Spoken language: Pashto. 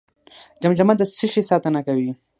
جمجمه د څه شي ساتنه کوي؟